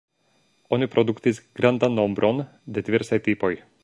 Oni produktis grandan nombron de diversaj tipoj.